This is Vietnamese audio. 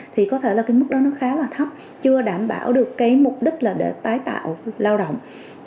thì có thể là cái mức đó nó khá là thấp chưa đảm bảo được cái mục đích là để tái tạo lao động